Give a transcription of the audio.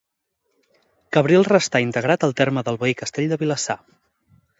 Cabrils restà integrat al terme del veí castell de Vilassar.